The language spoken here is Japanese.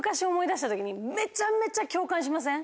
めちゃめちゃ共感しません？